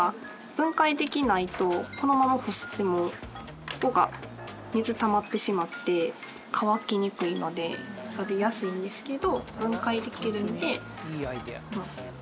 分解できないとこのまま干してもここが水たまってしまって乾きにくいのでさびやすいんですけど。